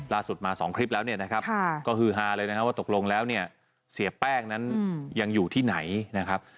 ล่าสุดมา๒คลิปแล้วเนี่ยนะครับก็คือฮาเลยนะครับว่าตกลงแล้วเนี่ยเสียแป้งนั้นยังอยู่ที่ไหนนะครับ